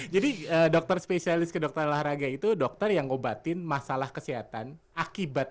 jadi dokter spesialis kedokteran olahraga itu dokter yang ngobatin masalah kesehatan akibat